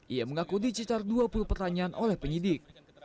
ia mengaku dicitar dua puluh pertanyaan oleh penyidik